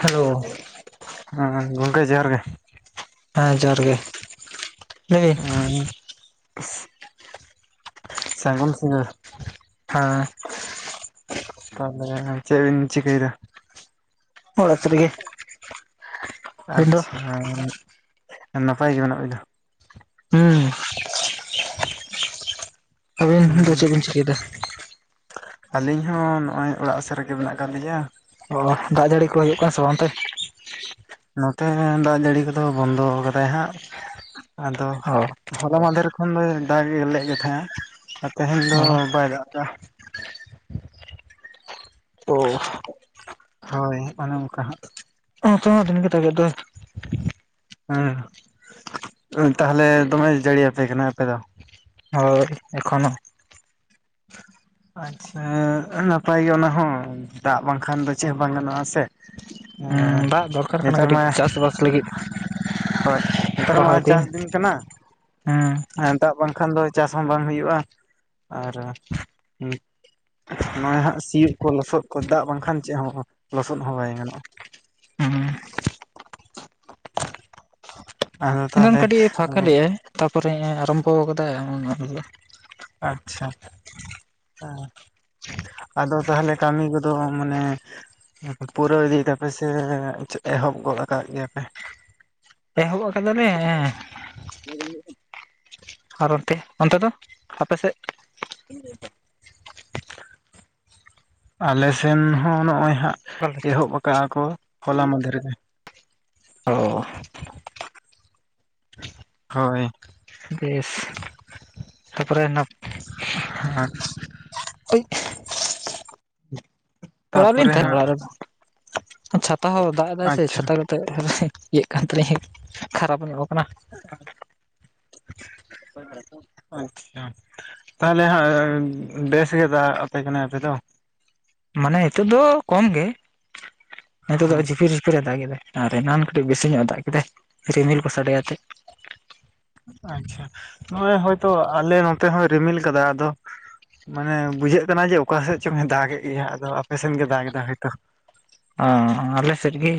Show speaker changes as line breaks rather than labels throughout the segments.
Hello
ᱦᱮᱸ ᱜᱚᱝᱠᱮ ᱡᱚᱦᱟᱨ ᱜᱮ
ᱦᱮᱸ ᱡᱚᱦᱟᱨ ᱜᱮ ᱞᱟᱹᱭ ᱵᱤᱱ
ᱦᱮᱸ ᱥᱟᱹᱜᱩᱱ ᱥᱤᱝᱜᱟᱹᱲ
ᱦᱮᱸ
ᱛᱟᱦᱚᱞᱮ ᱪᱮᱫᱵᱤᱱ ᱪᱤᱠᱟᱹᱭ ᱫᱟ
ᱚᱲᱟᱜ ᱥᱮᱫ ᱨᱮᱜᱮ ᱟᱹᱵᱤᱱ ᱫᱚ
ᱟᱪᱷᱟ ᱱᱟᱯᱟᱭ ᱜᱮ ᱢᱮᱱᱟᱜ ᱵᱤᱱᱟ
ᱦᱩᱸ ᱟᱵᱤᱱ ᱫᱚ ᱪᱮᱫ ᱵᱤᱱ ᱪᱤᱠᱟᱹᱭᱫᱟ?
ᱟᱹᱞᱤᱧ ᱦᱚᱸ ᱱᱚᱜᱼᱚᱭ ᱚᱲᱟᱜ ᱥᱮᱫ ᱨᱮᱜᱮ ᱢᱮᱱᱟᱜ ᱟᱠᱟᱫ ᱞᱤᱧᱭᱟ
ᱚ ᱫᱟᱜ ᱡᱟᱹᱲᱤ ᱠᱚ ᱦᱤᱡᱩᱜ ᱠᱟᱱ ᱥᱮ ᱵᱟᱝ ᱚᱱᱛᱮ?
ᱱᱚᱛᱮ ᱫᱟᱜ ᱡᱟᱹᱲᱤ ᱠᱚᱫᱚ ᱵᱚᱱᱫᱚ ᱠᱟᱫᱟᱭ ᱦᱟᱸᱜ ᱾ ᱟᱫᱚ,
ᱚ
ᱦᱚᱞᱟ ᱢᱟᱫᱷᱮᱨ ᱠᱷᱚᱱ ᱫᱚ ᱫᱟᱜ ᱜᱮ ᱞᱮ ᱜᱮ ᱛᱟᱦᱮᱸ-ᱟ ᱾ ᱟᱨ ᱛᱮᱦᱮᱧ ᱫᱚ ᱵᱟᱭ ᱫᱟᱜ ᱟᱠᱟᱜᱼᱟ,
[unintelligible]
ᱦᱳᱭ ᱚᱱᱮ ᱚᱱᱠᱟ ᱦᱟᱸᱜ
ᱚ ᱛᱮ ᱦᱚᱸ ᱫᱚᱢᱮᱜᱮ ᱫᱟᱜᱮᱜ ᱫᱚᱭ
ᱦᱮᱸ ᱛᱟᱦᱚᱞᱮ ᱫᱚᱢᱮ ᱡᱟᱹᱲᱤᱭᱟᱯᱮ ᱠᱟᱱᱟᱭ ᱟᱯᱮ ᱫᱚ?
ᱦᱳᱭ ᱮᱠᱷᱚᱱᱳ
ᱟᱪᱪᱷᱟ ᱱᱟᱯᱟᱭ ᱜᱮ ᱚᱱᱟ ᱦᱚᱸ ᱫᱟᱜ ᱵᱟᱝᱠᱷᱟᱱ ᱫᱚ ᱪᱮᱫ ᱦᱚᱸ ᱵᱟᱝ ᱜᱟᱱᱚᱜᱼᱟ ᱥᱮ ᱾ ᱮᱸᱻ
ᱦᱩᱸ ᱫᱟᱜ ᱫᱚᱨᱠᱟᱨ ᱠᱟᱱᱟ
ᱱᱮᱛᱟᱨ ᱢᱟ
ᱠᱟᱹᱴᱤᱡ ᱪᱟᱥᱵᱟᱥ ᱞᱟᱹᱜᱤᱫ
ᱦᱳᱭ ᱱᱮᱛᱟᱨ ᱢᱟ ᱪᱟᱥ ᱫᱤᱱ ᱠᱟᱱᱟ᱾
ᱦᱮᱸ
ᱦᱮ ᱫᱟᱜ ᱵᱟᱝᱠᱷᱟᱱ ᱫᱚ ᱪᱟᱥ ᱦᱚᱸ ᱵᱟᱝ ᱦᱩᱭᱩᱜᱼᱟ ᱾ ᱟᱨ ᱱᱚᱜᱼᱚᱭ ᱦᱟᱸᱜ ᱥᱤᱭᱳᱜ ᱠᱚ ᱞᱚᱥᱚᱫ ᱠᱚ ᱫᱟᱜ ᱵᱟᱝᱠᱷᱟᱱ ᱪᱮᱫ ᱦᱚᱸ ᱞᱚᱥᱚᱫ ᱦᱚᱸ ᱵᱟᱭ ᱜᱟᱱᱚᱜᱼᱟ ᱾
ᱦᱮᱸ
ᱟᱫᱚ
ᱮᱱᱟᱱ
ᱛᱟᱦᱚᱞᱮ
ᱠᱟᱹᱴᱤᱡ ᱯᱷᱟᱸᱠᱟ ᱞᱮᱟᱭ, ᱛᱟᱨᱯᱚᱨᱮ ᱟᱨᱟᱢᱵᱚ ᱟᱠᱟᱫᱟᱭ ᱚᱱᱟ
ᱟᱪᱪᱷᱟ, ᱦᱮᱸ ᱟᱫᱚ ᱛᱟᱦᱚᱞᱮ ᱠᱟᱹᱢᱤ ᱠᱚᱫᱚ ᱢᱟᱱᱮ ᱯᱩᱨᱟᱹᱣ ᱤᱫᱤᱭ ᱫᱟ ᱯᱮᱥᱮ ᱮᱦᱚᱵ ᱜᱚᱫ ᱟᱠᱟᱫ ᱜᱮᱭᱟ ᱯᱮ ᱾
ᱮᱦᱚᱵ ᱟᱠᱟᱫᱟ ᱞᱮ [unintelligible] ᱚᱱᱛᱮ ᱫᱚ ᱟᱯᱮ ᱥᱮᱫ
[inaudible] ᱟᱞᱮ ᱥᱮᱱ ᱦᱚᱸ ᱱᱚᱜᱼᱚᱭ ᱦᱟᱸᱜ,
ᱚᱠᱟᱞᱮ?
ᱮᱦᱚᱵ ᱟᱠᱟᱜᱼᱟ ᱠᱚ, ᱦᱚᱞᱟ ᱢᱟᱸᱫᱷᱮᱨ ᱨᱮ ᱾
[unintelligible]
ᱦᱳᱭ
ᱵᱮᱥ ᱛᱟᱯᱚᱨᱮ
ᱟᱨᱮ
ᱚᱲᱟᱜ ᱞᱤᱧ
ᱛᱟᱯᱚᱨᱮ
ᱛᱟᱦᱮᱸᱱᱟ
ᱦᱟᱸᱜ
ᱚᱲᱟᱜ ᱨᱮᱫᱚ, ᱪᱷᱟᱛᱟ ᱦᱚᱸ ᱫᱟᱜ ᱮᱫᱟᱭ ᱥᱮ
ᱟᱪᱪᱷᱟ
ᱪᱷᱟᱛᱟ ᱠᱟᱛᱮ ᱤᱭᱟᱹᱜ ᱠᱟᱱ ᱛᱟᱞᱤᱧ ᱠᱷᱟᱨᱟᱯ ᱧᱚᱜ ᱠᱟᱱᱟ
[unintelligible] ᱛᱟᱦᱚᱞᱮ ᱦᱟᱸᱜ ᱵᱮᱥᱜᱮ ᱫᱟᱜ ᱟᱯᱮ ᱠᱟᱱᱟ ᱟᱯᱮ ᱫᱚ?
ᱢᱟᱱᱮ ᱱᱤᱛᱳᱜ ᱫᱚ ᱠᱚᱢ ᱜᱮ, ᱱᱤᱛᱚᱜ
ᱦᱚᱸ
ᱫᱚ ᱡᱷᱤᱯᱤᱨ ᱡᱷᱤᱯᱤᱨ ᱮ ᱫᱟᱜ ᱮᱫᱟᱭ ᱾ ᱟᱨ ᱮᱱᱟᱱ ᱠᱟᱹᱴᱤᱡ ᱵᱮᱥᱤ ᱧᱚᱜ ᱫᱟᱜ ᱠᱮᱫᱟᱭ ᱨᱤᱢᱤᱞ ᱠᱚ ᱥᱟᱰᱮ ᱟᱛᱮᱫ ᱾
ᱟᱪᱪᱷᱟ, ᱱᱚᱜᱼᱚᱭ ᱦᱚᱳᱭᱛᱳ ᱟᱞᱮ ᱱᱚᱛᱮ ᱦᱚᱸᱭ ᱨᱤᱢᱤᱞ ᱠᱟᱫᱟ ᱟᱫᱚ ᱾ ᱢᱟᱱᱮ ᱵᱩᱡᱷᱟᱹᱜ ᱠᱟᱱᱟ ᱡᱮ ᱚᱠᱟᱥᱮᱫ ᱪᱚᱝ ᱫᱟᱜ ᱮ ᱜᱮᱭᱟ ᱟᱫᱚ ᱟᱯᱮᱥᱮᱫ ᱜᱮᱭ ᱫᱟᱜ ᱮᱫᱟ ᱦᱳᱭᱛᱚ ᱾
ᱚ ᱟᱞᱮ ᱥᱮᱫ ᱜᱮ,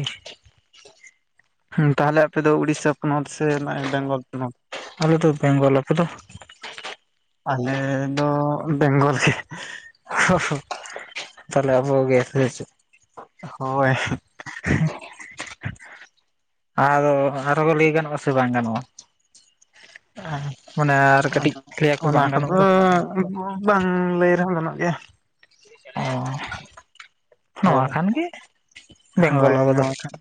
ᱦᱸ ᱛᱟᱦᱚᱞᱮ ᱟᱯᱮ ᱫᱚ ᱩᱲᱤᱥᱟ ᱯᱚᱱᱚᱛ ᱥᱮ, ᱱᱚᱜᱼᱚᱭ ᱵᱮᱝᱜᱚᱞ ᱯᱚᱱᱚᱛ?
ᱟᱞᱮ ᱛᱚ ᱵᱮᱝᱜᱚᱞ ᱟᱯᱮ ᱫᱚ
ᱟᱞᱮ ᱫᱚ ᱵᱮᱝᱜᱚᱞ ᱜᱮ,
ᱛᱟᱦᱚᱞᱮ ᱟᱵᱚ ᱜᱮ ᱦᱩᱭ ᱥᱮ,
ᱦᱳᱭ
ᱟᱫᱚ ᱟᱨᱚᱸ ᱞᱟᱹᱭ ᱜᱟᱱᱚᱜᱼᱟ, ᱥᱮ ᱵᱟᱝ ᱜᱟᱱᱚᱜᱼᱟ?
[unintelligible]
ᱢᱟᱱᱮ ᱟᱨ ᱠᱟᱹᱴᱤᱡ ᱛᱷᱮᱭᱟ ᱠᱚ
ᱚᱱᱟ
ᱵᱟᱝ ᱜᱟᱱᱚᱜ
ᱠᱚᱫᱚ
ᱫᱚ ᱾
ᱵᱟᱝ ᱞᱟᱹᱭ ᱨᱮᱦᱚᱸ ᱜᱟᱱᱚᱜ ᱜᱮᱭᱟ ᱾
ᱚ ᱱᱚᱣᱟ ᱠᱷᱟᱱ ᱜᱮ,
ᱦᱳᱭ
ᱵᱮᱝᱜᱚᱞ ᱟᱵᱚ ᱫᱚ
ᱱᱚᱣᱟ ᱠᱷᱟᱱ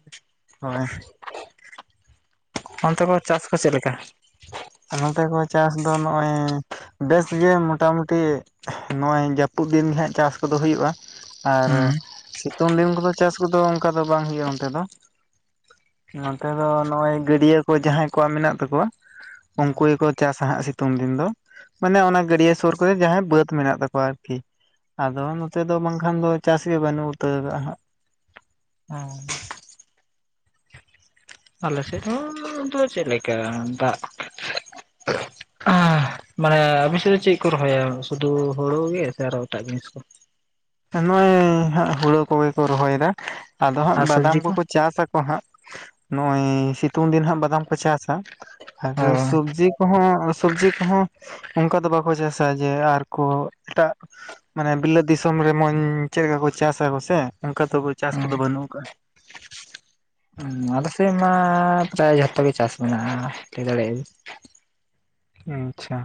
ᱦᱳᱭ
᱾ ᱚᱱᱛᱮ ᱠᱚ ᱪᱟᱥ ᱠᱚ ᱪᱮᱫ ᱞᱮᱠᱟ?
ᱱᱚᱛᱮ ᱠᱚ ᱪᱟᱥ ᱫᱚ ᱱᱚᱜᱼᱚᱭ ᱵᱮᱥᱜᱮ ᱢᱚᱴᱟ ᱢᱚᱴᱤ, ᱱᱚᱜᱼᱚᱭ ᱡᱟᱹᱯᱩᱫ ᱫᱤᱱᱜᱦᱟᱸᱜ ᱪᱟᱥ ᱠᱚᱫᱚ ᱦᱩᱭᱩᱜᱼᱟ ᱾ ᱟᱨ
ᱦᱩᱸ
ᱥᱤᱛᱩᱝ ᱫᱤᱱ ᱠᱚᱫᱚ ᱪᱟᱥ ᱠᱚᱫᱚ ᱚᱱᱠᱟ ᱫᱚ ᱵᱟᱝ ᱦᱳᱭᱳᱜᱼᱟ ᱚᱱᱛᱮ ᱫᱚ? ᱱᱚᱛᱮ ᱫᱚ ᱱᱚᱜ-ᱚᱭ ᱜᱟᱹᱰᱭᱟᱹ ᱠᱚ ᱡᱟᱦᱟᱸᱭ ᱠᱚᱣᱟᱜ ᱢᱮᱱᱟᱜ ᱛᱟᱠᱚᱣᱟ ᱩᱱᱠᱩ ᱜᱮᱠᱚ ᱪᱟᱥᱟ ᱦᱟᱸᱜ ᱥᱤᱛᱩᱝ ᱫᱤᱱ ᱫᱚ᱾ ᱢᱟᱱᱮ ᱚᱱᱟ ᱜᱟᱹᱰᱭᱟᱹ ᱥᱩᱨ ᱠᱚᱨᱮ ᱡᱟᱦᱟᱸᱭ ᱵᱟᱹᱫᱽ ᱢᱮᱱᱟᱜ ᱛᱟᱠᱚᱣᱟ ᱟᱨᱠᱤ᱾ ᱟᱫᱚ ᱱᱚᱛᱮ ᱫᱚ ᱵᱟᱝᱠᱷᱟᱱ ᱫᱚ ᱪᱟᱥ ᱜᱮ ᱵᱟᱹᱱᱩᱜ ᱩᱛᱟᱹᱨ ᱟᱹᱦᱟᱜ᱾
ᱦᱮᱸ᱾ ᱟᱞᱮ ᱥᱮᱫ ᱦᱚᱸ ᱫᱚ ᱪᱮᱫ ᱞᱮᱠᱟ ᱫᱟᱜ ᱢᱟᱱᱮ ᱟᱵᱤᱱ ᱥᱮᱫ ᱫᱚ ᱪᱮᱫ ᱠᱚ ᱨᱚᱦᱚᱭᱟ? ᱥᱩᱫᱷᱩ ᱦᱩᱲᱩ ᱜᱮ ᱥᱮ ᱟᱨᱚ ᱮᱴᱟᱜ ᱡᱤᱱᱤᱥ ᱠᱚ?
ᱱᱚᱜᱚᱭ ᱦᱟᱸᱜ ᱦᱩᱲᱳ ᱠᱚᱜᱮ ᱠᱚ ᱨᱚᱦᱚᱭᱫᱟ ᱟᱫᱚ ᱦᱟᱸᱜ
ᱟᱨ
ᱵᱟᱫᱟᱢ
ᱥᱚᱵᱽᱡᱤ ᱠᱚ
ᱠᱚᱠᱚ ᱪᱟᱥᱟ ᱠᱚ ᱠᱚ ᱦᱟᱸᱜ ᱱᱚᱜᱼᱚᱭ ᱥᱤᱛᱩᱝ ᱫᱤᱱ ᱦᱟᱸᱜ ᱵᱟᱫᱟᱢ ᱠᱚ ᱪᱟᱥᱟ᱾ ᱟᱨ
ᱚ
ᱥᱚᱵᱽᱡᱤ ᱠᱚᱦᱚᱸ᱾ ᱥᱚᱵᱡᱤ ᱠᱚᱦᱚᱸ ᱚᱱᱠᱟ ᱫᱚ ᱵᱟᱠᱚ ᱪᱟᱥᱟ ᱡᱮ ᱟᱨ ᱠᱚ ᱮᱴᱟᱜ ᱢᱟᱱᱮ ᱵᱤᱞᱟᱹᱛ ᱫᱤᱥᱚᱢ᱾ ᱢᱚᱸᱡᱽ ᱪᱮᱫ ᱞᱮᱠᱟ ᱠᱚ ᱪᱟᱥᱟ ᱠᱚ ᱥᱮ ᱚᱱᱠᱟ ᱫᱚ ᱪᱟᱥ ᱠᱚᱫᱚ ᱵᱟᱹᱱᱩᱜ ᱟᱠᱟᱫᱟ᱾
ᱟᱞᱮ ᱥᱮᱫ ᱢᱟ ᱯᱨᱟᱭ ᱡᱷᱚᱛᱚ ᱜᱮ ᱪᱟᱥ ᱢᱮᱱᱟᱜᱼᱟ᱾ ᱞᱟᱹᱭ ᱫᱟᱲᱮᱭᱟᱜᱼᱟ ᱵᱤᱱ᱾
ᱟᱪᱪᱷᱟ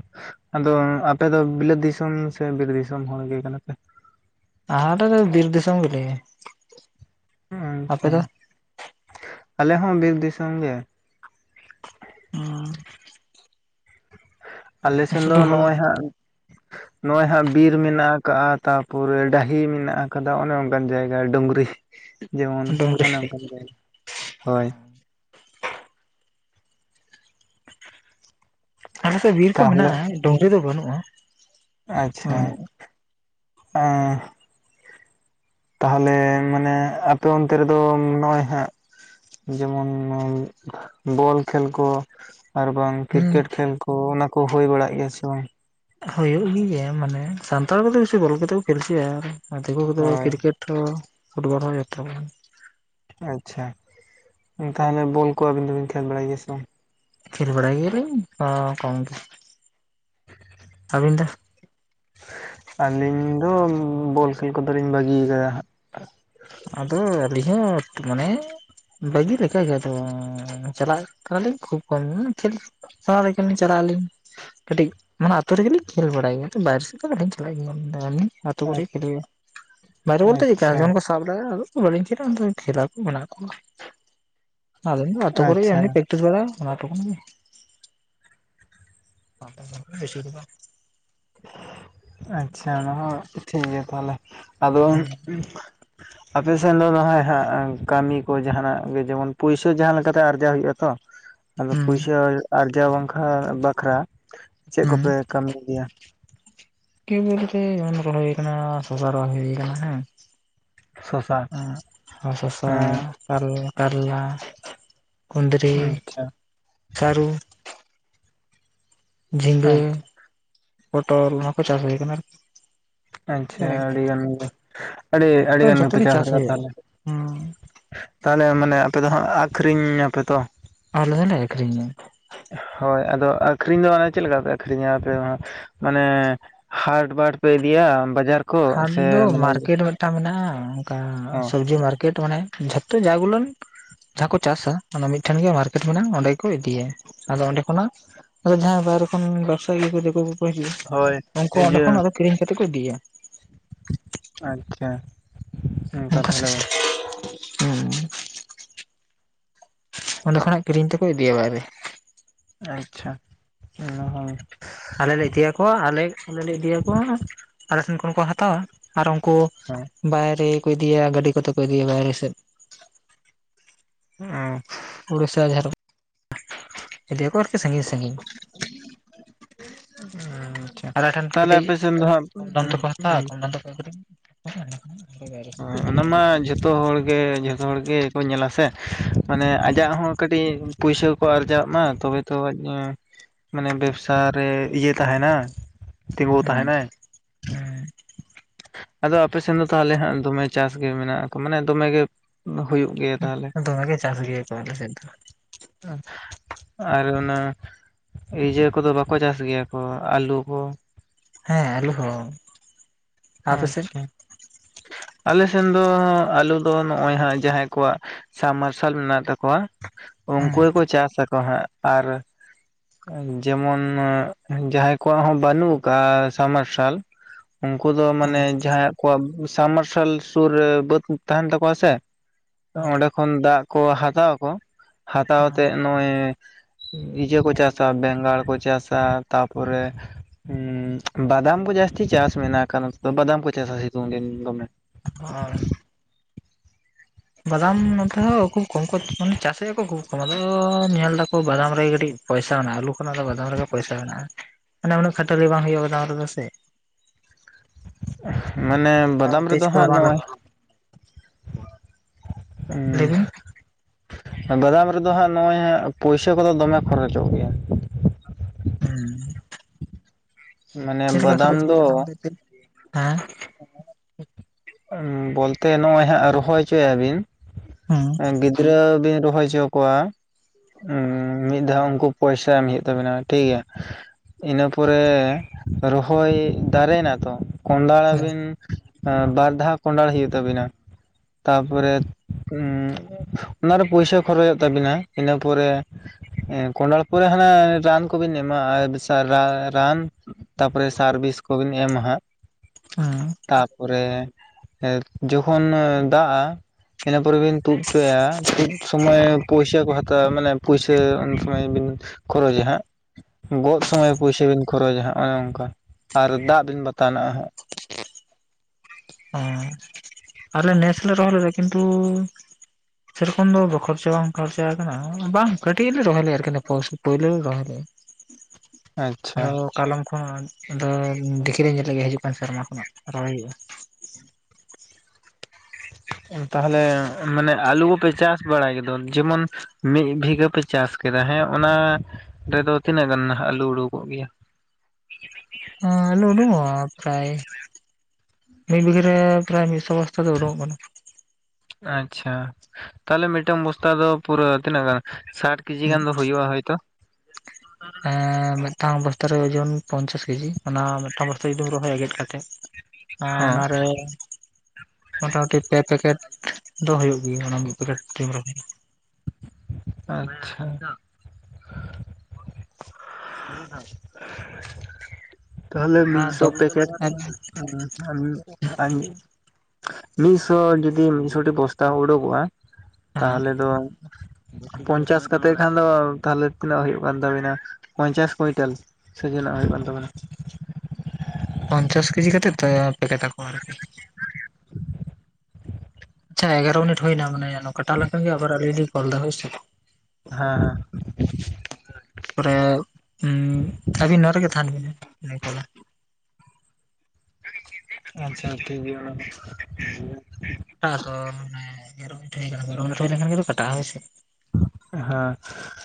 ᱟᱫᱚ ᱟᱯᱮ ᱫᱚ ᱵᱤᱞᱟᱹᱛ ᱫᱤᱥᱚᱢ ᱥᱮ ᱵᱤᱨ ᱫᱤᱥᱚᱢ ᱦᱚᱲ ᱜᱮ ᱠᱟᱱᱟ ᱯᱮ?
[unintelligible] ᱫᱚ ᱵᱤᱨ ᱫᱤᱥᱚᱢ ᱜᱮ ᱞᱮ᱾
ᱟᱪᱪᱷᱟ ᱟᱞᱮ ᱦᱚᱸ ᱵᱤᱨ ᱫᱤᱥᱚᱢ ᱜᱮ᱾
ᱦᱮᱸ᱾
ᱟᱞᱮ ᱥᱮᱱ ᱫᱚ
ᱥᱩᱫᱷᱩ ᱦᱩᱲᱩ
ᱱᱚᱜᱼᱚᱭ ᱦᱟᱸᱜ ᱱᱚᱜᱼᱚᱭ ᱦᱟᱸᱜ ᱵᱤᱨ ᱢᱮᱱᱟᱜ ᱟᱠᱟᱜᱼᱟ ᱛᱟᱯᱚᱨᱮ ᱰᱟᱺᱦᱤ ᱢᱮᱱᱟᱜ ᱟᱠᱟᱫᱟ ᱚᱱᱮ ᱚᱱᱠᱟᱱ ᱡᱟᱭᱜᱟ ᱰᱩᱝᱨᱤ ᱡᱮᱢᱚᱱ ᱚᱱᱮ
ᱰᱩᱝᱨᱤ
ᱚᱱᱠᱟᱱ ᱡᱟᱭᱜᱟ ᱦᱳᱭ᱾
ᱟᱞᱮᱥᱮᱡ ᱵᱤᱨ ᱠᱚ
ᱛᱟᱦᱚᱞᱮ
ᱢᱮᱱᱟᱜᱼᱟ ᱰᱩᱝᱨᱤ ᱫᱚ ᱵᱟᱹᱱᱩᱜᱼᱟ᱾
ᱟᱪᱪᱷᱟ᱾ ᱮᱸ ᱛᱟᱦᱚᱞᱮ ᱢᱟᱱᱮ ᱟᱯᱮ ᱚᱱᱛᱮ ᱨᱮᱫᱚ ᱱᱚᱜᱼᱚᱭ ᱦᱟᱸᱜ᱾ ᱡᱮᱢᱚᱱ ᱵᱚᱞ ᱠᱷᱮᱞ ᱠᱚ ᱟᱨ ᱵᱟᱝ
ᱦᱩᱸ
ᱠᱨᱤᱠᱮᱴ ᱠᱷᱮᱞ ᱠᱚ ᱚᱱᱟ ᱠᱚ ᱦᱩᱭ ᱵᱟᱲᱟᱜ ᱜᱮᱭᱟ ᱥᱮ ᱵᱟᱝ?
ᱦᱩᱭᱩᱜ ᱜᱮ ᱜᱮᱭᱟ ᱢᱟᱱᱮ ᱥᱟᱱᱛᱟᱲ ᱠᱚᱫᱚ ᱵᱮᱥᱤ ᱵᱚᱞ ᱜᱮᱛᱚ ᱠᱟᱛᱮ ᱠᱚ ᱠᱷᱮᱞ ᱚᱪᱚᱭᱟ ᱟᱨ ᱫᱤᱠᱩ ᱠᱚᱫᱚ
ᱦᱳᱭ
ᱠᱨᱤᱠᱮᱴ᱾ ᱛᱚ ᱯᱷᱩᱴᱵᱚᱞ ᱦᱚᱸ ᱡᱚᱛᱚ ᱵᱚᱱ
ᱟᱪᱪᱷᱟ ᱛᱟᱦᱚᱞᱮ ᱵᱚᱞ ᱠᱚ ᱟᱵᱤᱱ ᱫᱚᱵᱤᱱ ᱠᱷᱮᱞ ᱵᱟᱲᱟᱭ ᱜᱮᱭᱟ ᱥᱮ ᱵᱟᱝ?
ᱠᱷᱮᱞ ᱵᱟᱲᱟᱭ ᱜᱮᱭᱟ ᱞᱤᱧ ᱟ ᱠᱚᱢ‌ ᱜᱮ, ᱟᱵᱤᱱ ᱫᱚ?
ᱟᱞᱤᱧ ᱫᱚ ᱵᱚᱞ ᱠᱷᱮᱞ ᱠᱚᱫᱚ ᱞᱤᱧ ᱵᱟᱜᱤᱭᱟ ᱠᱟᱫᱟ ᱦᱟᱸᱜ᱾
ᱟᱫᱚ ᱟᱹᱞᱤᱧ ᱦᱚᱸ ᱴᱩ ᱢᱟᱱᱮᱼᱼ ᱵᱷᱟᱹᱜᱤ ᱞᱮᱠᱟ ᱜᱮ ᱟᱫᱚ ᱪᱟᱞᱟᱜ ᱠᱟᱱᱟ ᱞᱤᱧ ᱠᱷᱩᱵ ᱠᱚᱢ ᱧᱚᱜ ᱠᱷᱮᱞ᱾ ᱥᱚᱦᱟ ᱞᱮᱠᱟ ᱞᱤᱧ ᱪᱟᱞᱟᱜ ᱟᱹᱞᱤᱧ᱾ ᱠᱟᱹᱴᱤᱡ ᱢᱟᱱᱮ ᱟᱛᱩ ᱨᱮᱜᱮ ᱞᱤᱧ ᱠᱷᱮᱞ ᱵᱟᱲᱟᱭ ᱜᱮᱭᱟ ᱵᱟᱭᱨᱮ ᱥᱮᱜ ᱫᱚ ᱵᱟᱞᱤᱧ ᱪᱟᱞᱟᱜ ᱜᱮᱭᱟ᱾ [inaudible] ᱟᱹᱛᱩ ᱠᱚᱨᱮ ᱜᱮ ᱠᱷᱮᱞ ᱦᱩᱭᱩᱜ-ᱟ᱾ ᱵᱟᱭᱨᱮ ᱵᱩᱞᱛᱮ ᱪᱮᱠᱟ
ᱟᱪᱪᱷᱟ
ᱡᱮᱢᱚᱱ ᱠᱩ ‌ᱥᱟᱼᱼ [inaudible] ᱵᱟᱞᱤᱧ ‌ᱪᱟᱞᱟᱜ-ᱟ ᱚᱱᱛᱮ ᱠᱷᱮᱞᱟ ᱠᱩ ᱢᱮᱱᱟᱜ ᱠᱩᱣᱟ ᱟᱫᱚ ᱫᱚ ᱱᱤᱛ ᱫᱚ ᱟᱛᱩ ᱠᱚᱨᱮ
ᱟᱪᱪᱷᱟ
ᱚᱱᱮ ᱯᱮᱼᱼ ᱛᱩᱫᱽ ᱵᱟᱲᱟ ᱚᱱᱟ ᱴᱩᱠᱩᱱ ᱜᱮ᱾ ᱟᱴ ᱴᱟ ᱜᱟᱱ ᱵᱮᱥᱤ‌ ᱫᱚ ᱵᱟᱝ᱾
ᱟᱪᱪᱷᱟ ᱚᱱᱟ ᱦᱚᱸ ᱴᱷᱤᱠ ᱜᱮᱭᱟ ᱛᱟᱦᱚᱞᱮ ᱟᱫᱚᱢ‌ ᱩᱸᱜᱼᱼ ᱟᱯᱮ ᱥᱮᱱ ᱫᱚ ᱱᱚᱜ-ᱚᱭ ᱦᱟᱸᱜ ᱠᱟᱢᱤ ᱠᱚ ᱡᱟᱦᱟᱸ ᱱᱟᱜ ᱜᱮ ᱡᱮᱢᱚᱱ ᱯᱩᱭᱥᱟᱹ ᱡᱟᱦᱟᱸ ᱞᱮᱠᱟ ᱛᱮ ᱟᱨᱡᱟᱣ ᱦᱩᱭᱩᱜ-ᱟ ᱛᱚ᱾
ᱦᱩᱸ
ᱟᱫᱚ
ᱦᱩᱸ
ᱯᱩᱭᱥᱟᱹ ᱟᱨ ᱟᱨᱡᱟᱣ ᱵᱟᱝᱠᱷᱟ ᱵᱟᱠᱷᱨᱟ ᱪᱮᱜ
ᱦᱩᱸ
ᱠᱚᱯᱮ ᱠᱟᱹᱢᱤᱭ ᱜᱮᱭᱟ?
ᱠᱮ ᱵᱩᱞᱛᱮ ᱮᱢᱚᱱ ᱨᱚᱦᱚᱭ ᱦᱩᱭ ᱠᱟᱱᱟ ᱥᱚᱥᱟ ᱨᱚᱦᱚᱭ ᱦᱩᱭ ᱠᱟᱱᱟ ᱦᱮᱸ᱾
ᱥᱚᱥᱟ
ᱟᱸᱜ ᱦᱟ ᱥᱚᱥᱟ
ᱮᱸ
ᱠᱟ ᱠᱟᱨᱞᱟ᱾ ᱠᱩᱱᱫᱽᱨᱤ
ᱟᱪᱪᱷᱟ
ᱥᱟᱨᱩ᱾ ᱡᱷᱤᱝᱜᱟᱹ
ᱟᱪᱪᱷᱟ
ᱯᱚᱴᱚᱞ ᱚᱱᱟ ᱠᱚ ᱪᱟᱥ ᱦᱩᱭ ᱠᱟᱱᱟ ᱟᱨᱠᱤ᱾
ᱟᱪᱪᱷᱟ ᱟᱹᱲᱤ ᱜᱟᱱ ᱜᱮ ᱟᱹᱲᱤ ᱟᱹᱲᱤ ᱜᱟᱱ
ᱡᱚᱛᱚ
ᱜᱮᱯᱮ
ᱜᱮ
ᱪᱟᱥ ᱠᱟᱫᱟ
ᱦᱩᱭᱩᱜᱼᱟ
ᱛᱟᱦᱚᱞᱮ᱾
ᱦᱩᱸ
ᱛᱟᱦᱚᱞᱮ ᱢᱟᱱᱮ ᱟᱯᱮ ᱫᱚ ᱦᱟᱸᱜ ᱟᱠᱷᱨᱤᱧ ᱧᱟᱯᱮ ᱛᱚ?
ᱟᱞᱮ ᱦᱚᱞᱮ ᱟᱹᱠᱷᱨᱤᱧᱟ᱾
ᱦᱚᱭ ᱟᱫᱚ ᱟᱠᱷᱨᱤᱧ ᱫᱚ ᱢᱟᱱᱮ ᱪᱮᱜ ᱞᱮᱠᱟ ᱯᱮ ᱟᱠᱷᱨᱤᱧᱟ ᱟᱯᱮ ᱢᱟ? ᱢᱟᱱᱮ ᱦᱟᱴ ᱵᱟᱴ ᱯᱮ ᱤᱫᱤᱭᱟ ᱵᱟᱡᱟᱨᱼᱼ
ᱦᱟᱴ ᱫᱚ ᱢᱟᱨᱠᱮᱴ ᱢᱤᱫᱴᱟᱝ ᱢᱮᱱᱟᱜ-ᱟ ᱚᱱᱠᱟ
ᱦᱚᱸ
ᱥᱚᱵᱽᱡᱤ ᱢᱟᱨᱠᱮᱴ ᱢᱟᱱᱮ᱾ [unintelligible] ᱡᱟ ᱜᱩᱞᱚᱱ ᱼᱼ ᱡᱟᱦᱟᱸ ᱠᱚ ᱪᱟᱥᱟ ᱚᱱᱟ ᱢᱤᱫ ᱴᱷᱮᱱ ᱜᱮ ᱢᱟᱨᱠᱮᱴ ᱢᱮᱱᱟᱜ-ᱟ ᱚᱸᱰᱮ ᱜᱮᱠᱚ ᱤᱫᱤᱭᱟ ᱟᱫᱚ ᱚᱸᱰᱮ ᱠᱷᱚᱱᱟᱜᱼᱼ ᱟᱫᱚ ᱡᱟᱦᱟᱸᱭ ᱵᱟᱦᱨᱮ ᱠᱷᱚᱱ ᱵᱮᱵᱽᱥᱟ ᱫᱮᱠᱚ ᱠᱚᱠᱚ ᱦᱤᱡᱩᱜ-ᱟ
ᱦᱳᱭ
ᱩᱱᱠᱩ ᱚᱸᱰᱮ
ᱤᱭᱟᱹ
ᱠᱷᱚᱱ ᱟᱫᱚ ᱠᱤᱨᱤᱧ ᱠᱟᱛᱮᱜ ᱠᱚ ᱤᱫᱤᱭᱟ᱾
ᱟᱪᱪᱷᱟ ᱚᱱᱠᱟ ᱛᱟᱦᱚᱞᱮ ᱵᱟ᱾
ᱦᱩᱸ ᱚᱸᱰᱮ ᱠᱷᱚᱱᱟᱜ ᱠᱤᱨᱤᱧ ᱛᱮᱠᱚ ᱤᱫᱤᱭᱟ ᱵᱟᱭᱨᱮ᱾
ᱟᱪᱪᱷᱟ ᱚᱱᱟ ᱦᱚᱸ᱾
ᱟᱞᱮ ᱞᱮ ᱤᱫᱤ ᱭᱟᱠᱚᱣᱟ ᱟᱞᱮ ᱟᱞᱮ ᱞᱮ ᱤᱫᱤ ᱭᱟᱠᱚᱣᱟ ᱟᱞᱮ ᱴᱷᱮᱱ ᱠᱷᱚᱱ ᱠᱚ ᱦᱟᱛᱟᱣᱟ ᱟᱨ ‌ᱩᱱᱼᱼ ᱠᱚ ᱵᱟᱭᱨᱮ ᱠᱩ ᱤᱫᱤᱭᱟ ᱜᱟᱹᱰᱤ ᱠᱚᱛᱮ ᱠᱚ ᱤᱫᱤᱭᱟ ᱵᱟᱭᱨᱮ ᱥᱮᱫ᱾
[unintelligible]
ᱩᱲᱤᱥᱟ ᱡᱷᱟᱨᱠ ᱤᱫᱤᱭᱟ ᱠᱚ ᱟᱨᱠᱤ ᱥᱟᱺᱜᱤᱧ ᱥᱟᱺᱜᱤᱧ᱾ ᱟᱞᱮ ᱴᱷᱮᱱ
[inaudible] ᱛᱟᱦᱚᱞᱮ ᱟᱯᱮ ᱥᱮᱱ ᱫᱚᱦᱟᱸᱜ, ᱩᱸ ᱩᱸ ᱾
ᱟᱫᱚ ᱟᱠᱟ ᱠᱚᱨᱮ?
ᱦᱚᱭ ᱚᱱᱟ ᱢᱟ ᱡᱷᱚᱛᱚ ᱦᱚᱲ ᱜᱮ ᱡᱷᱚᱛᱚ ᱦᱚᱲ ᱜᱮ ᱠᱚ ᱧᱮᱞᱟ ᱥᱮ ᱢᱟᱱᱮ ᱟᱡᱟᱜ ᱦᱚᱸᱜᱼᱼ ᱠᱟᱹᱴᱤᱡ ᱯᱩᱭᱥᱟᱹ ᱠᱚ ᱟᱨᱡᱟᱜ ᱢᱟ ᱛᱚᱵᱮ ᱛᱚ ᱟᱡ‌ ᱦᱚᱸᱼᱼ ᱢᱟᱱᱮ ᱵᱮᱵᱽᱥᱟ ᱨᱮ ᱤᱭᱟᱹ ᱛᱟᱦᱮᱱᱟ᱾ ᱛᱤᱸᱜᱩ ᱛᱟᱦᱮᱱᱟᱭ
[unintelligible] ᱦᱮᱸ᱾
ᱟᱫᱚ ᱟᱯᱮ ᱥᱮᱱ ᱫᱚ ᱛᱟᱦᱚᱞᱮ ᱦᱟᱸᱜ ᱫᱚᱢᱮ ᱪᱟᱥ ᱜᱮ ᱢᱮᱱᱟᱜ ᱟᱠᱟᱜ ᱢᱟᱱᱮ ᱫᱚᱢᱮ ᱜᱮ ᱦᱩᱭᱩᱜ ᱜᱮᱭᱟ ᱛᱟᱦᱚᱞᱮ᱾
ᱫᱚᱢᱮ ᱜᱮ ᱪᱟᱥ ᱜᱮᱭᱟ ᱠᱚ ᱟᱞᱮ ᱥᱮᱜ ᱫᱚ᱾
ᱚᱸ ᱟᱨ ᱚᱱᱟ᱾ ᱤᱭᱟᱹ ᱠᱚᱫᱚ ᱵᱟᱠᱚ ᱪᱟᱥ ᱜᱮᱭᱟ ᱠᱚ ᱟᱞᱩ ᱠᱚ?
ᱦᱮᱸ ᱟᱹᱞᱩ‌ ᱠᱚ ᱦᱚᱸ᱾ ᱟᱯᱮ ᱥᱮᱫ
ᱟᱸᱪᱪᱷᱟ᱾ ᱟᱞᱮ ᱥᱮᱱ ᱫᱚ ᱟᱞᱩ ᱫᱚ ᱱᱚᱜ-ᱚᱭ ᱦᱟᱸᱜ ᱡᱟᱦᱟᱸᱭ ᱠᱚᱣᱟᱜ ᱥᱟᱵᱽ ᱢᱟᱨᱥᱟᱞ ᱢᱮᱱᱟᱜ ᱛᱟᱠᱚᱣᱟ᱾ ᱩᱝᱠᱩ
ᱦᱮᱸ
ᱜᱮᱠᱚ ᱪᱟᱥᱟ ᱠᱚ ᱦᱟᱸᱜ ᱟᱨᱼᱼ ᱡᱮᱢᱚᱱ ᱡᱟᱦᱟᱸᱭ ᱠᱚᱣᱟᱜ ᱦᱚᱸ ᱵᱟᱹᱱᱩᱜ ᱟᱠᱟᱫ ᱥᱟᱢᱟᱨᱥᱟᱞ ᱩᱱᱠᱩ ᱫᱚ ᱢᱟᱱᱮ ᱡᱟᱦᱟᱸᱭ ᱠᱚᱣᱟᱜ ᱥᱟᱵᱢ ᱢᱟᱨᱥᱟᱞ ᱥᱩᱨ ᱨᱮ ᱵᱟᱹᱫ ᱛᱟᱦᱮᱱ ᱛᱟᱠᱚᱣᱟ ᱥᱮ ᱚᱸᱰᱮ ᱠᱷᱚᱱ ᱫᱟᱜ ᱠᱚ ᱦᱟᱛᱟᱣᱠᱚ ᱦᱟᱛᱟᱣᱛᱮ ᱱᱚᱜᱼᱚᱭ ᱤᱡᱟᱹ ᱠᱚ ᱪᱟᱥᱟ ᱵᱮᱸᱜᱟᱲ ᱠᱚ ᱪᱟᱥᱟ ᱛᱟᱯᱚᱨᱮ ᱦᱸ ᱵᱟᱫᱟᱢ ᱠᱚ ᱡᱟᱹᱥᱛᱤ ᱪᱟᱥ ᱢᱮᱱᱟᱜ ᱟᱠᱟ ᱫᱚ ᱵᱟᱫᱟᱢ ᱠᱚ ᱪᱟᱥᱟ ᱥᱤᱛᱩᱝ ᱫᱤᱱ ᱫᱚᱢᱮ
[unintelligible] ᱵᱟᱫᱟᱢ ᱱᱚᱛᱮ ᱦᱚᱸ ᱩᱠᱩ ᱠᱚᱢ ᱠᱚ ᱢᱟᱱᱮ ᱪᱟᱥᱮᱫᱼᱟ ᱠᱚ ᱦᱠᱩ ᱠᱚᱢ ᱟᱫᱚ- ᱧᱮᱞ ᱫᱟᱠᱚ ᱵᱟᱫᱟᱢ ᱨᱮ ᱠᱟᱹᱴᱤᱡ ᱯᱚᱭᱥᱟ ᱢᱮᱱᱟᱜᱼᱟ ᱟᱞᱩ ᱠᱷᱚᱱᱟᱜ ᱫᱚ ᱵᱟᱫᱟᱢ ᱨᱮᱜᱮ ᱯᱚᱭᱥᱟ ᱢᱮᱱᱟᱜᱼᱟ ᱢᱟᱱᱮ ᱩᱱᱟᱹᱜ ᱠᱷᱟᱹᱴᱟᱹᱨᱤ ᱵᱟᱝ ᱦᱩᱭᱩᱜᱼᱟ ᱵᱟᱫᱟᱢ ᱨᱮᱫᱚ ᱥᱮ
ᱢᱟᱱᱮ ᱵᱟᱫᱟᱢ
ᱛᱮᱡᱽ
ᱨᱮᱫᱚ ᱦᱜ
ᱠᱚᱦᱚᱸ ᱵᱟᱝ ᱞᱟᱜᱟᱜ
ᱱᱚᱜᱼᱚᱭ
ᱞᱟᱹᱭ ᱵᱤᱱ
[inaudible] ᱵᱟᱫᱟᱢ ᱨᱮᱫᱚ ᱦᱟᱸᱜ ᱱᱚᱜ-ᱚᱭ ᱦᱟᱸᱜ ᱯᱩᱭᱥᱟᱹ ᱠᱚᱫᱚ ᱫᱚᱢᱮ ᱠᱷᱚᱨᱚᱪᱚᱜ ᱜᱮᱭᱟ᱾
ᱦᱩᱸ᱾
ᱢᱟᱱᱮ
ᱪᱮᱫ ᱞᱮᱠᱟ
ᱵᱟᱫᱟᱢ
ᱠᱷᱚᱨᱚᱪᱚᱜ
ᱫᱚ
[unintelligible] ᱦᱮᱸ
ᱵᱚᱞᱛᱮ ᱱᱚᱜᱼᱚᱭ ᱦᱟᱸᱜ ᱨᱚᱦᱚᱭ ᱦᱚᱪᱚᱭᱟᱵᱤᱱ
ᱦᱩᱸ
ᱜᱤᱫᱽᱨᱟᱹ ᱵᱤᱱ ᱨᱚᱦᱚᱭ ᱦᱚᱪᱚ ᱠᱚᱣᱟ ᱦᱸ ᱢᱤᱫ ᱫᱷᱟᱣ ᱩᱱᱠᱩ ᱯᱚᱭᱥᱟ ᱮᱢ ᱦᱳᱭᱳᱜ ᱛᱟᱵᱮᱱᱟ ᱴᱷᱤᱠᱜᱮᱭᱟ ᱤᱱᱟᱹ ᱯᱚᱨᱮ ᱨᱚᱦᱚᱭ ᱫᱟᱨᱮᱱᱟᱛᱚ ᱠᱚᱸᱫᱷᱟᱲᱟ ᱵᱤᱱ ᱵᱟᱨ ᱫᱷᱟᱣ [unintelligible] ᱦᱩᱭᱩᱜ ᱛᱟᱵᱤᱱᱟ ᱛᱟᱯᱚᱨᱮ ᱦᱸ ᱚᱱᱟᱨᱮ ᱯᱚᱭᱥᱟ ᱠᱷᱚᱨᱚᱪᱚᱜ ᱛᱟᱵᱤᱱᱟ ᱤᱱᱟᱹ ᱯᱚᱨᱮ ᱠᱚᱸᱰᱟᱞ ᱯᱚᱨᱮ ᱦᱟᱸ ᱨᱟᱱ ᱠᱚᱵᱤᱱ ᱮᱢᱟ ᱟᱨ ᱨᱟᱱ ᱛᱟᱯᱚᱨᱮ ᱥᱟᱨᱵᱷᱤᱥ ᱠᱚᱵᱤᱱ ᱮᱢᱟ ᱦᱟᱸᱜ
ᱦᱮᱸ
ᱛᱟᱨᱯᱚᱨᱮ ᱡᱚᱠᱷᱚᱱ ᱫᱟᱜᱼᱟ ᱤᱱᱟᱹ ᱯᱚᱨᱮ ᱵᱤᱱ ᱛᱩᱫ ᱚᱪᱚᱭᱟ ᱛᱩᱫ ᱥᱚᱢᱚᱭ ᱯᱚᱭᱥᱟ ᱠᱚ ᱦᱟᱛᱟᱣᱟ ᱢᱟᱱᱮ ᱯᱩᱭᱥᱟᱹ ᱩᱱ ᱥᱚᱢᱚᱭ ᱵᱤᱱ ᱠᱚᱨᱚᱡᱟ ᱦᱟᱸᱜ ᱜᱚᱜ ᱥᱚᱢᱚᱭ ᱯᱚᱭᱥᱟ ᱵᱤᱱ ᱠᱷᱚᱨᱚᱡ ᱚᱱᱮ ᱚᱱᱠᱟ ᱟᱨ ᱫᱟᱜ ᱫᱤᱱ ᱵᱟᱛᱱᱟᱜ [unintelligible]
[inaudible] ᱟᱞᱮ ᱱᱮᱥ ᱞᱮ ᱨᱚᱦᱚᱭ ᱞᱮᱫᱟ ᱠᱤᱱᱛᱩ ᱥᱮᱲ ᱠᱷᱚᱱ ᱫᱚ [unintelligible] ᱥᱮ ᱵᱟᱝ [unintelligible] ᱦᱠᱟᱱᱟ ᱵᱟᱝ ᱠᱟᱴᱤᱡ ᱞᱮ ᱨᱮ ᱨᱚᱦᱚᱭ [unintelligible] ᱯᱩᱭᱞᱩ ᱞᱮ ᱨᱚᱦᱚᱭ ᱞᱮ
ᱟᱪᱪᱷᱟ
[unintelligible] ᱠᱟᱞᱚᱢ ᱠᱷᱚᱱ ᱫᱚ ᱰᱤᱠᱨᱤ ᱧᱮᱞ ᱞᱟᱹᱜᱤᱫ ᱦᱤᱡᱩᱜ ᱠᱟᱱ ᱥᱮᱨᱢᱟ ᱠᱷᱚᱱᱟᱜ ᱨᱚᱦᱚᱭ ᱦᱩᱭᱩᱜᱼᱟ
ᱛᱟᱦᱟᱞᱮ ᱢᱟᱱᱮ ᱟᱞᱩ ᱯᱮ ᱪᱟᱥ ᱵᱟᱹᱲᱟᱭ ᱜᱮᱫᱚ ᱡᱮᱢᱚᱱ ᱢᱤᱫ ᱵᱤᱜᱷᱟᱹ ᱯᱮ ᱪᱟᱥ ᱠᱮᱫᱟ ᱦᱮᱸ ᱚᱱᱟ ᱨᱮᱫᱚ ᱛᱤᱱᱟᱹᱜ ᱜᱟᱱ ᱟᱞᱩ ᱩᱰᱩᱠᱚᱜ ᱜᱮᱭᱟ
[unintelligible] ᱟᱞᱩ ᱩᱰᱩᱠᱚᱜ ᱯᱨᱟᱭᱮ ᱢᱤᱫ ᱵᱤᱜᱷᱟᱹ ᱨᱮ ᱯᱨᱟᱭᱮ ᱢᱤᱫ ᱥᱚᱵᱟᱥᱛᱟ ᱫᱚ ᱩᱰᱩᱠᱚᱜ ᱠᱟᱱᱟ
ᱟᱪᱪᱷᱟ ᱛᱟᱦᱟᱞᱮ ᱢᱤᱫᱴᱟᱝ ᱵᱚᱥᱛᱟ ᱫᱚ ᱯᱩᱨᱟᱹ ᱛᱤᱱᱟᱹᱜ ᱜᱟᱱ ᱥᱟᱴ ᱠᱤᱡᱤ ᱜᱟᱱ ᱫᱚ ᱦᱩᱭᱩᱜᱼᱟ ᱦᱚᱭᱛᱚ
ᱮᱸ ᱢᱤᱫᱴᱟᱝ ᱵᱚᱥᱛᱟ ᱨᱮ ᱳᱡᱳᱚᱱ ᱯᱚᱧᱪᱟᱥ ᱠᱮᱡᱤ ᱚᱱᱟ ᱢᱤᱫᱴᱟᱝ ᱵᱚᱥᱛᱟ ᱡᱩᱫᱤᱢ ᱨᱚᱦᱚᱭ ᱜᱮᱫ ᱠᱟᱛᱮ [unintelligible]
ᱦᱮᱸ
ᱚᱱᱟᱨᱮ [inaudible] ᱢᱚᱴᱟ ᱢᱩᱴᱤ ᱯᱮ ᱯᱮᱠᱮᱴ ᱫᱚᱦᱚ ᱦᱩᱭᱩᱜ ᱜᱮᱭᱟ ᱚᱱᱟ ᱢᱤᱫ ᱯᱮᱠᱮᱴᱤᱢ ᱨᱚᱦᱚᱭ
ᱟᱪᱪᱷᱟ [inaudible] [inaudible] ᱛᱟᱦᱞᱮ ᱢᱤᱫ ᱥᱚ
ᱟᱫᱚ
ᱯᱮᱠᱮᱴ [unintelligible] ᱢᱤᱫ ᱥᱚ ᱡᱩᱫᱤ ᱢᱤᱫ ᱥᱚᱴᱤ ᱵᱚᱥᱛᱟ ᱩᱰᱩᱠᱚᱜᱼᱟ ᱛᱟᱦᱚᱞᱮ ᱫᱚ ᱯᱚᱧᱪᱟᱥ ᱠᱟᱛᱮᱫ ᱠᱷᱟᱱ ᱫᱚ ᱛᱟᱦᱞᱮ ᱛᱤᱱᱟᱹᱜ ᱦᱩᱭᱩᱜ ᱠᱟᱱ ᱛᱟᱵᱤᱱᱟ ᱯᱚᱧᱪᱟᱥ ᱯᱩᱭᱛᱟᱞᱤᱥ ᱥᱤ ᱡᱤᱱᱟᱜ ᱦᱩᱭᱩᱜ ᱠᱟᱱ ᱛᱟᱹᱵᱤᱱᱟ
ᱯᱚᱧᱪᱟᱥ ᱠᱮᱡᱤ ᱠᱟᱛᱮ ᱛᱮ [unintelligible] ᱟᱪᱷᱟ ᱮᱜᱟᱨᱳ ᱢᱤᱱᱤᱴ ᱦᱩᱭᱱᱟ ᱢᱟᱱ ᱠᱟᱴᱮ ᱞᱮᱱ ᱠᱷᱟᱱ ᱜᱮ ᱟᱹᱵᱤᱱᱜᱼᱟ ᱨᱮ ᱞᱤᱧ ᱠᱚᱞ ᱮᱫᱟ ᱦᱚᱭ ᱥᱮ
[unintelligible]
ᱯᱚᱨᱮ ᱩᱸᱻ ᱟᱹᱵᱤᱱ ᱱᱚᱰᱮ ᱜᱮ ᱛᱟᱦᱮᱱ ᱵᱤᱱ ᱱᱩᱭ ᱯᱚᱨᱮ
ᱟᱪᱪᱷᱟ ᱴᱷᱤᱠ ᱜᱮᱭᱟ ᱚᱱᱟ [unintelligible] [inaudible]
ᱴᱟᱥ ᱛᱚᱱ ᱢᱟ [unintelligible] [unintelligible] ᱢᱤᱱᱟᱨ ᱦᱩᱭ ᱞᱮᱠᱷᱟᱱ ᱜᱮᱛᱚ ᱠᱟᱴᱟ ᱦᱚᱭ ᱥᱮ
[inaudible]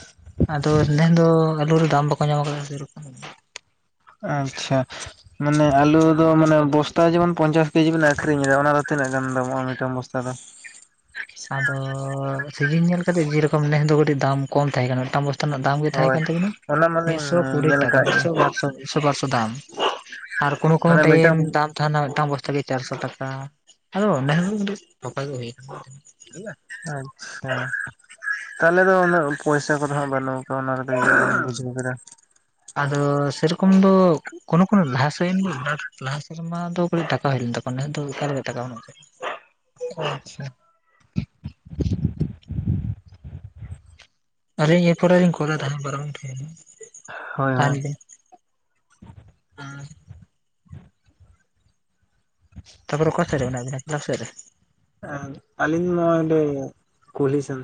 ᱟᱹᱫᱚᱥ ᱱᱮᱱ ᱫᱚ ᱟᱞᱩ ᱨᱮ ᱫᱟᱢ ᱵᱟᱠᱚ ᱧᱟᱢ ᱟᱠᱟᱫᱟ ᱥᱮ ᱨᱚᱠᱚᱢ
ᱟᱪᱪᱷᱟ [unintelligible] ᱢᱟᱱᱮ ᱟᱞᱩ ᱫᱚ ᱢᱟᱱᱮ ᱵᱚᱥᱛᱟ ᱡᱮᱢᱚᱱ ᱢᱟᱱᱮ ᱟᱞᱩ ᱫᱚ ᱢᱟᱱᱮ ᱵᱚᱥᱛᱟ ᱡᱮᱢᱚᱱ ᱯᱚᱧᱪᱟᱥ ᱠᱮᱡᱤ ᱵᱮᱱ ᱟᱹᱠᱷᱨᱤᱧ ᱨᱮᱦᱚᱸ ᱚᱱᱟ ᱫᱚ ᱛᱤᱱᱟᱹᱜ ᱜᱟᱱ ᱫᱟᱢᱚᱜᱼᱟ ᱢᱤᱫᱴᱟᱝ ᱵᱚᱥᱛᱟ ᱫᱚ
ᱟᱫᱚ ᱥᱤᱡᱤᱱ ᱧᱮᱞ ᱠᱟᱛᱮ ᱡᱮᱨᱚᱠᱚᱢ ᱱᱮᱥ ᱫᱚ ᱠᱟᱹᱴᱤᱡ ᱫᱟᱢ ᱠᱚᱢ ᱛᱟᱦᱮᱸ ᱠᱟᱱᱟ ᱢᱤᱫᱴᱟᱝ [inaudible] ᱚᱱᱟᱜ ᱫᱟᱢ ᱜᱮ ᱛᱟᱦᱮᱸ
ᱦᱳᱭ
ᱠᱟᱱ ᱛᱟᱠᱤᱱᱟ
ᱚᱱᱟ ᱢᱟᱞᱤᱧ
ᱢᱤᱫᱥᱚ ᱠᱩᱲᱤ
ᱧᱮᱞ
ᱴᱟᱠᱟ
ᱟᱠᱟᱫ ᱜᱮ
ᱢᱤᱫᱥᱚ ᱵᱟᱨᱥᱚ [unintelligible] ᱯᱟᱨᱥᱚ ᱫᱟᱢ ᱟᱨ ᱠᱚᱱᱳ ᱠᱳᱱᱳ
ᱢᱟᱱᱮ
ᱴᱟᱭᱤᱢ
ᱢᱤᱫᱴᱟᱝ
ᱫᱟᱢ ᱡᱟᱦᱱᱟᱜ ᱢᱤᱫᱴᱟᱝ ᱵᱚᱥᱛᱟ ᱜᱮ ᱪᱟᱨᱥᱚ ᱴᱟᱠᱟ ᱟᱫᱚ ᱱᱮᱦᱨᱩ ᱢᱤᱴᱤᱡ [unintelligible] ᱜᱮ ᱦᱩᱭᱮᱱᱟ
[unintelligible] [unintelligible] ᱛᱟᱦᱚᱞᱮ ᱫᱚ ᱩᱱᱟᱹᱜ ᱯᱚᱭᱥᱟ ᱠᱚᱫᱚ ᱱᱟᱸᱜ ᱵᱟᱹᱱᱩᱜ ᱟᱠᱹᱣᱱᱟ ᱠᱟᱴᱤᱡ ᱵᱩᱡᱷᱟᱹᱣ ᱠᱮᱫᱟ
ᱟᱹᱫᱚ ᱥᱮᱨᱚᱠᱚᱢ ᱫᱚ ᱠᱳᱱᱳ ᱠᱚᱱᱳ ᱞᱟᱦᱟᱥᱮᱱᱭ ᱜᱮ ᱞᱟᱦᱟ ᱥᱮᱨᱢᱟ ᱫᱚ ᱠᱟᱹᱴᱤᱡ ᱴᱟᱠᱟ ᱦᱩᱭ ᱞᱮᱱ ᱛᱟᱠᱚᱣᱟ ᱱᱮᱥ ᱫᱚ ᱮᱠᱟᱞ ᱜᱮ ᱴᱟᱠᱟ ᱵᱟᱹᱱᱩᱜ
ᱟᱪᱪᱷᱟ
ᱟᱹᱞᱤᱧ ᱮ ᱯᱚᱨᱮ ᱞᱤᱧ ᱠᱚᱞ ᱮᱫᱟ ᱵᱟᱨᱟᱝᱠᱮ
ᱦᱳᱭ
ᱛᱟᱦᱮᱱ
ᱦᱳᱭ
ᱵᱤᱱ [inaudible]
[inaudible]
ᱛᱟᱨᱯᱚᱨ ᱠᱚᱠᱟ ᱥᱮᱫᱽ ᱨᱮ ᱢᱮᱱᱟᱜ ᱵᱱᱟ ᱮᱠᱞᱟ ᱥᱮᱫᱽ ᱨᱮ
[unintelligible] ᱟᱹᱞᱤᱧ ᱱᱚᱣᱚᱭ ᱱᱚᱰᱮ ᱠᱩᱞᱦᱤ ᱥᱮᱱ